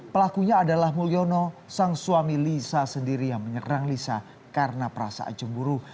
pelakunya adalah mulyono sang suami lisa sendiri yang menyerang lisa karena perasaan cemburu